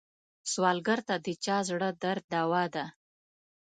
سوالګر ته د چا زړه درد دوا ده